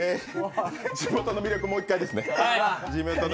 地元の魅力、もう１回ですね。